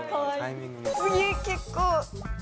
次結構。